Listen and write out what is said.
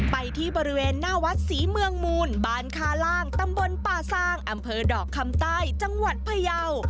ไปที่บริเวณหน้าวัดศรีเมืองมูลบานคาล่างตำบลป่าซางอำเภอดอกคำใต้จังหวัดพยาว